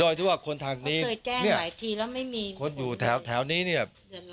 โดยที่ว่าคนทางนี้เนี่ยคนอยู่แถวนี้เนี่ย